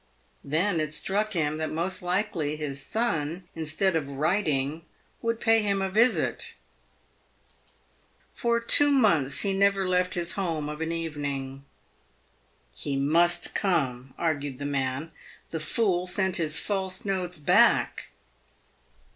Then it struck him that most likely his son, instead of writing, would pay him a visit. For two months he never left his home of an evening. "He must come," argued the man ; "the fool sent his false notes back."